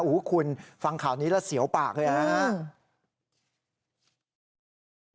อู๋คุณฟังข่าวนี้แล้วเสียวปากเลยนะฮะ